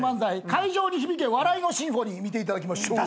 『会場に響け笑いのシンフォニー』見ていただきましょう。